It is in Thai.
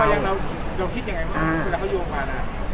มันอยู่ออกมายังแล้วคิดยังไงครับ